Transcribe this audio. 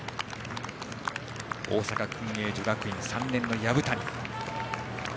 大阪、薫英女学院３年の薮谷。